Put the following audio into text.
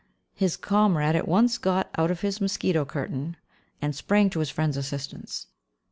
His comrade at once got out of his mosquito curtain, and sprang to his friend's assistance.